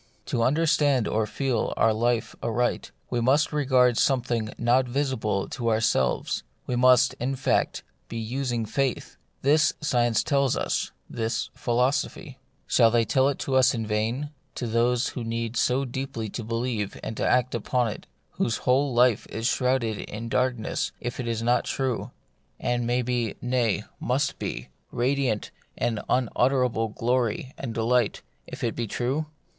To under stand or feel our life aright, we must regard something not visible to ourselves : we must, in fact, be using faith. This, science tells us ; this, philosophy. Shall they tell it to us in vain — to us who need so deeply to believe and act upon it, whose whole life is shrouded in darkness if it be not true, and may be, nay, must be, radiant with an unutterable glory The Mystery of Pain. 99 and delight if it be true